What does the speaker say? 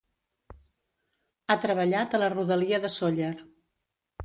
Ha treballat a la rodalia de Sóller.